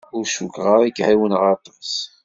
Ur cukkeɣ ara ak-ɛiwneɣ aṭas.